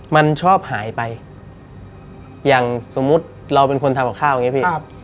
มันชอบหายไปอย่างสมมุติเราเป็นคนทำกับข้าวอย่างนี้พี่